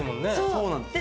そうなんです。